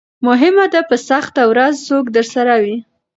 مهمه ده په سخته ورځ څوک درسره وي.